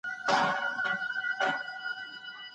مراقبه مو له منفي انرژۍ خلاصوي.